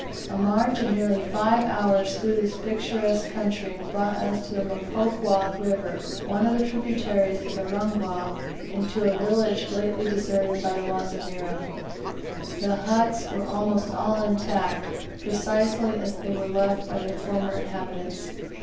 A march of nearly five hours through this picturesque country brought us to the Mpokwa River, one of the tributaries of the Rungwa, and to a village lately deserted by the Wazavira. The huts were almost all intact, precisely as they were left by their former inhabitants.